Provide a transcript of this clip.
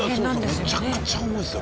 めちゃくちゃ重いですよ